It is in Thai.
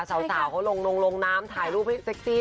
สาวเขาลงน้ำถ่ายรูปให้เซ็กซี่